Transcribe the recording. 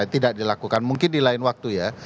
tidak dilakukan mungkin di lain waktu ya